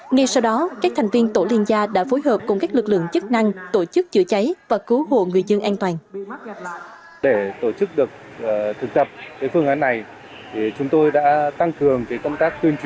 ngay sau đó các thành viên tổ liên gia đã phối hợp cùng các lực lượng chức năng tổ chức chữa cháy và cứu hộ người dân an toàn